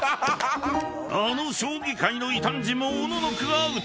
［あの将棋界の異端児もおののくアウト］